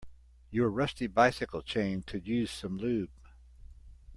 Your rusty bicycle chain could use some lube.